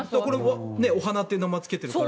お花って名前をつけてるから。